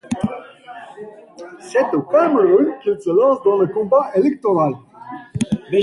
C’est au Cameroun qu’il se lance dans le combat électoral.